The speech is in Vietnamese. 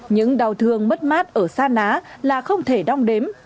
những đau thương mất mát ở sa ná là không thể đong đếm